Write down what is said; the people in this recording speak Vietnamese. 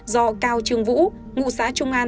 do cao trương vũ ngụ xã trung an